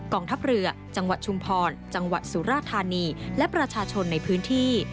องทัพเรือจังหวัดชุมพรจังหวัดสุราธานีและประชาชนในพื้นที่